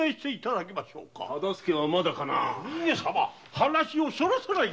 話をそらさないで。